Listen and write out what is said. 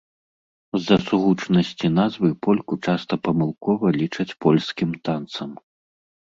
З-за сугучнасці назвы польку часта памылкова лічаць польскім танцам.